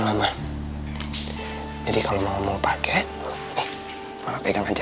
lama jadi kalau mau mau pakai pegang aja